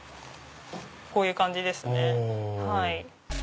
こういう感じですね。